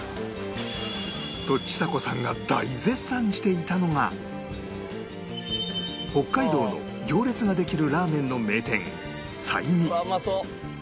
とちさ子さんが大絶賛していたのが北海道の行列ができるラーメンの名店彩未